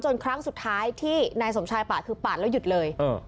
ครั้งสุดท้ายที่นายสมชายปาดคือปาดแล้วหยุดเลย